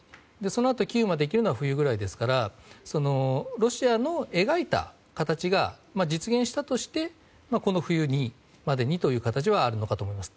そのあとキーウまで行けるのは冬ぐらいですからロシアの描いた形が実現したとしてこの冬までにという形はあるのかと思います。